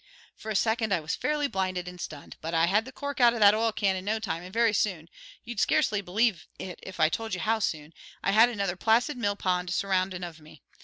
For a second I was fairly blinded and stunned, but I had the cork out of that oil can in no time, and very soon you'd scarcely believe it if I told you how soon I had another placid mill pond surroundin' of me.